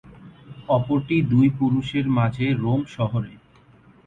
অপরটি দুই পুরুষের মাঝে রোম শহরে।